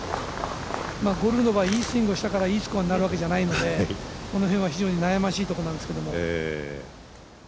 ゴルフの場合、いいスイングをしたらいいスコアになるわけではないのでこの辺は非常に悩ましいところなんですけど。